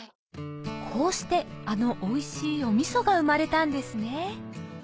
こうしてあのおいしいおみそが生まれたんですね